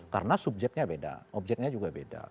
karena subjeknya beda objeknya juga beda